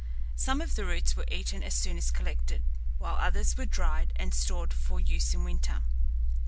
Some of the roots were eaten as soon as collected, while others were dried and stored for use in winter.